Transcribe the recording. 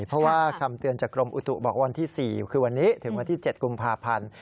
เพราะว่าคำเตือนจากกรมอุตุบอกวันที่๔คือวันนี้ถึงวันที่๗กุมภาพันธ์